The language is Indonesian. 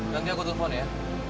yang dianggap telfonnya